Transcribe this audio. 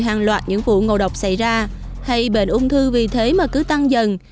hoặc những vụ ngầu độc xảy ra hay bệnh ung thư vì thế mà cứ tăng dần